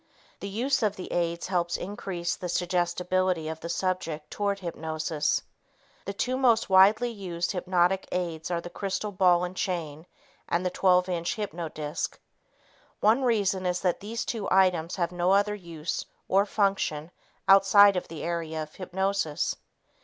The use of the aids helps increase the suggestibility of the subject toward hypnosis. The two most widely used hypnotic aids are the crystal ball and chain and the 12 inch hypnodisc. One reason is that these two items have no other use or function outside of the area of hypnosis.